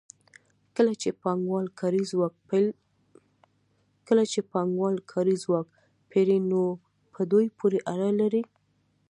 کله چې پانګوال کاري ځواک پېري نو په دوی پورې اړه لري